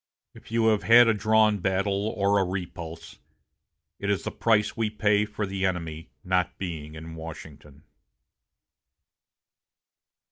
If you have had a drawn battle or a repulse, it is the price we pay for the enemy not being in Washington."